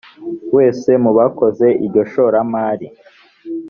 wese mu bakoze iryo shoramari